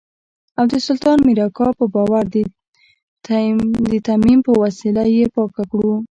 او د سلطان مير اکا په باور د تيمم په وسيله يې پاکه کړو.